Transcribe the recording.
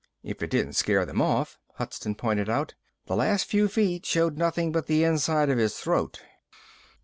"If it didn't scare them off," Hudson pointed out. "The last few feet showed nothing but the inside of his throat."